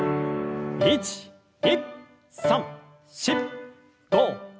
１２３４５６７８。